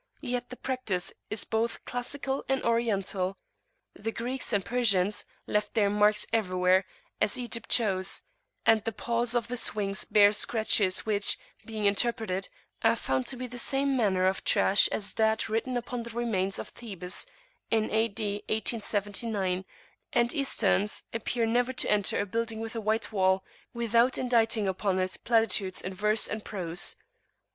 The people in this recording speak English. Yet the practice is both classical and oriental. The Greeks and Persians left their marks everywhere, as Egypt shows; and the paws of the Sphinx bears scratches which, being interpreted, are found to be the same manner of trash as that written upon the remains of Thebes in A.D. 1879. And Easterns appear never to [p.432]enter a building with a white wall without inditing upon it platitudes in verse and prose.